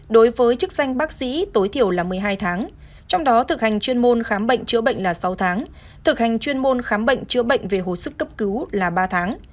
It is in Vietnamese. đối với chức danh bác sĩ tối thiểu là một mươi hai tháng trong đó thực hành chuyên môn khám bệnh chữa bệnh là sáu tháng thực hành chuyên môn khám bệnh chữa bệnh về hồi sức cấp cứu là ba tháng